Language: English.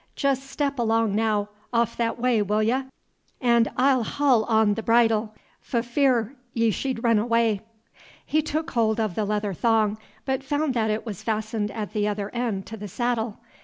Jes' step along naow, off that way, will ye? 'n' I Ill hol' on t' th' bridle, f' fear y' sh'd run away." He took hold of the leather thong, but found that it was fastened at the other end to the saddle.